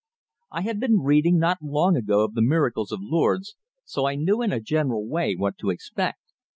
I had been reading not long ago of the miracles of Lourdes, so I knew in a general way what to expect.